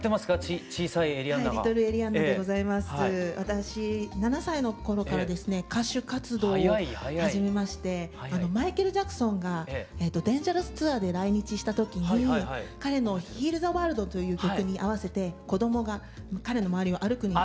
私７歳の頃からですね歌手活動を始めましてマイケル・ジャクソンがデンジャラスツアーで来日した時に彼の「ヒール・ザ・ワールド」という曲に合わせて子どもが彼の周りを歩く。